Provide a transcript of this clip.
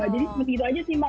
jadi seperti itu saja sih mbak